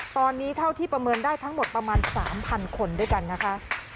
ตอนนี้เท่าที่ประเมินได้ทั้งหมดประมาณ๓๐๐คนด้วยกันนะคะ